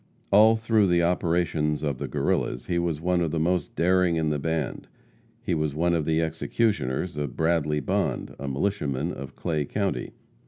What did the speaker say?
All through the operations of the Guerrillas he was one of the most daring in the band. He was one of the executioners of Bradley Bond, a militiaman of Clay county.